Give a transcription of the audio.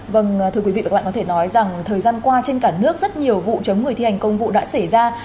vâng thưa quý vị và các bạn có thể nói rằng thời gian qua trên cả nước rất nhiều vụ chống người thi hành công vụ đã xảy ra